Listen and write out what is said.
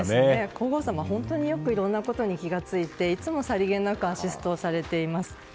皇后さま、本当によくいろんなことに気づかれていつも、さりげなくアシストをされています。